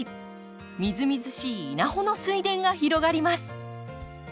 みずみずしい稲穂の水田が広がります。